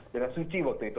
dengan suci waktu itu